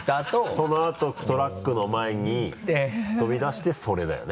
そのあとトラックの前に飛び出してそれだよね。